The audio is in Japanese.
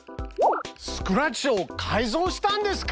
スクラッチを改造したんですか！？